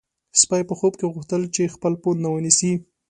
سپی په خوب کې غوښتل چې خپل پونده ونیسي.